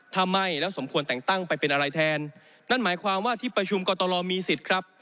ถ้าไม่แล้วสมควรแต่งตั้งไปเป็นอะไรแทนนั่นหมายความว่าที่ประชุมกรตลมีสิทธิ์ครับ